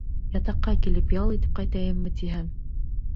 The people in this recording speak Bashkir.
Ятаҡҡа килеп ял итеп ҡайтайыммы тиһәм...